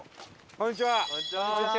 こんにちは。